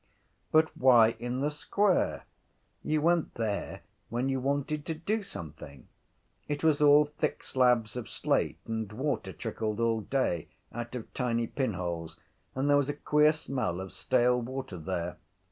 But why in the square? You went there when you wanted to do something. It was all thick slabs of slate and water trickled all day out of tiny pinholes and there was a queer smell of stale water there.